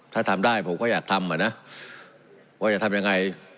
ถ้าทำได้ผมก็อยากทำอะนะว่าอยากทำอย่างไร